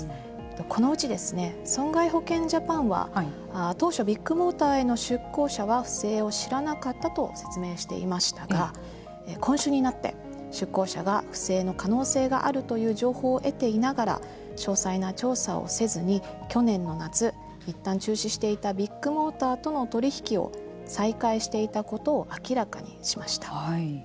このうち損害保険ジャパンは当初ビッグモーターへの出向者は不正を知らなかったと説明していましたが今週になって出向者が不正の可能性があるという情報を得ていながら詳細な調査をせずに去年の夏いったん中止していたビッグモーターとの取り引きを再開していたことを明らかにしました。